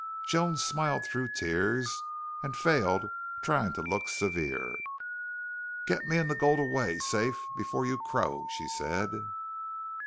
Joan smiled through tears, and failed trying to look severe. "Get me and the gold away safe before you crow," she said.